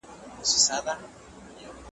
اخ تر خوله دي سم قربان زويه هوښياره ,